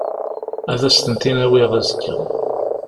Ad as-tent-in-awiɣ azekka.